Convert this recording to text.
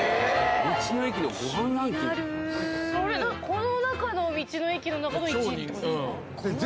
この中の道の駅の中の１位ってことでしょ？